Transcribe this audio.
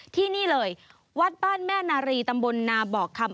ที่นี่เลยวัดบ้านแม่นารีตำบลนาบอกคำ